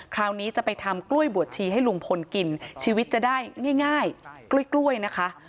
คราวนี้จะไปทำกล้วยบวชชีให้ลุงพลกินชีวิตจะได้ง่ายกล้วยนะคะ